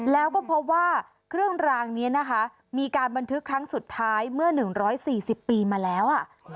แล้วก็พบว่าเครื่องรางนี้นะคะมีการบันทึกครั้งสุดท้ายเมื่อ๑๔๐ปีมาแล้ว